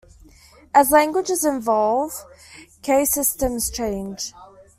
As languages evolve, case systems change.